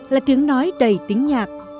là tiếng nói đầy tính nhạc